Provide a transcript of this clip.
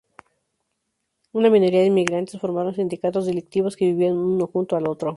Una minoría de inmigrantes formaron sindicatos delictivos, que vivían uno junto al otro.